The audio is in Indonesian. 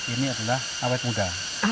ini adalah awet muda